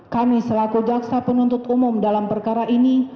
kami selaku jaksa penuntut umum dalam perkara ini